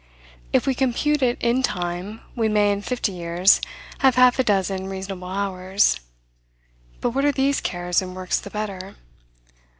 If we compute it in time, we may, in fifty years, have half a dozen reasonable hours. But what are these cares and works the better?